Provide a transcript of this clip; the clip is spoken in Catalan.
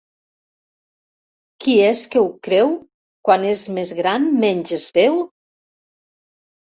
Qui és que ho creu, quan és més gran, menys es veu?